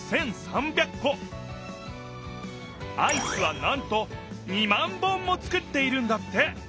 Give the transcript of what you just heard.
アイスはなんと２万本もつくっているんだって！